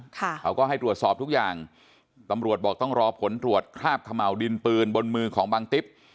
เขาก็ให้ตรวจสอบทุกอย่างตำรวจบอกต้องรอผลตรวจคราบเขม่าวดินปืนบนมือของบังติ๊บ